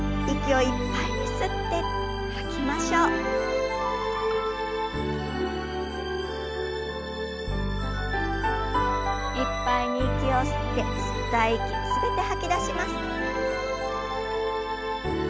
いっぱいに息を吸って吸った息全て吐き出します。